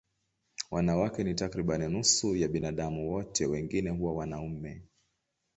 Wanawake ni takriban nusu ya binadamu wote, wengine huwa wanaume.